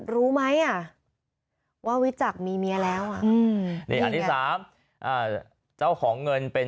รู้ไหมอ่ะว่าวิจักษ์มีเมียแล้วอันที่๓เจ้าของเงินเป็น